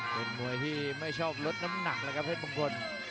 เป็นมวยที่ไม่ชอบลดน้ำหนักแล้วครับเพชรมงคล